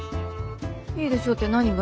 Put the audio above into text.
いいでしょって何が？